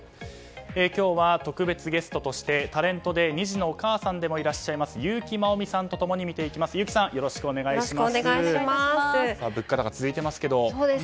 今日は特別ゲストとしてタレントで２児のママさんでもいらっしゃいます優木まおみさんと共に見ていきます。